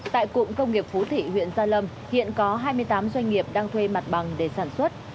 tại cụng công nghiệp phú thị huyện gia lâm hiện có hai mươi tám doanh nghiệp đang thuê mặt bằng để sản xuất